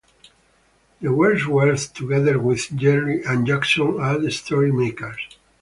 The Wordsworths together with Jelly and Jackson are the Story Makers.